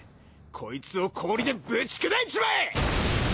コイツを氷でぶち砕いちまえ！！